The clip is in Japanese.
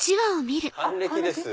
還暦です。